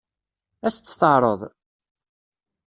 Ad as-tt-teɛṛeḍ?